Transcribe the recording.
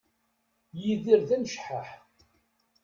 Yidir d amecḥaḥ